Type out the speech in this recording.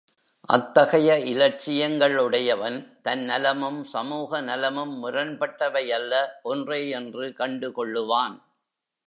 அத்தகைய இலட்சியங்கள் உடையவன் தன் நலமும், சமூகநலமும் முரண்பட்டவையல்ல, ஒன்றேயென்று கண்டு கொள்ளுவான்.